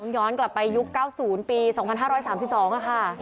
ย้อนกลับไปยุค๙๐ปี๒๕๓๒ค่ะ